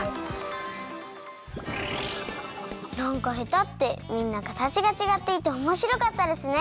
なんかヘタってみんなかたちがちがっていておもしろかったですね。